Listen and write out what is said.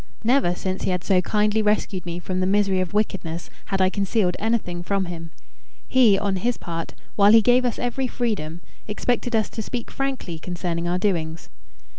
Never since he had so kindly rescued me from the misery of wickedness had I concealed anything from him. He, on his part, while he gave us every freedom, expected us to speak frankly concerning our doings.